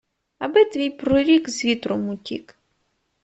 Аби твій прорік з вітром утік!